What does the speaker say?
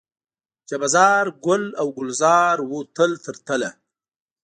جبه زار، ګل و ګلزار و تل تر تله